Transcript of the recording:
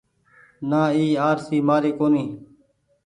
نآ اي آرسي مآري ڪونيٚ ۔